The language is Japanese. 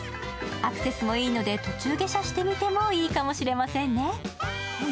アクセスもいいので途中下車してみてもいいのかもしれませんね。